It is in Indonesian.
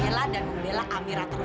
mereka harus hasiluberuhkan diri sendiri